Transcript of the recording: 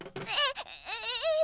えっ！？